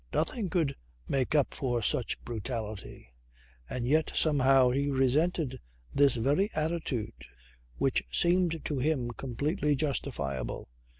Nothing could make up for such brutality. And yet somehow he resented this very attitude which seemed to him completely justifiable.